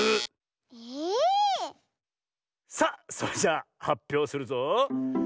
さあそれじゃはっぴょうするぞ。